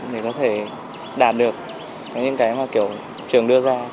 để có thể đạt được những cái mà kiểu trường đưa ra